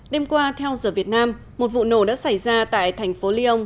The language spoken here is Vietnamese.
đêm qua theo giờ việt nam một vụ nổ đã xảy ra tại thành phố lyon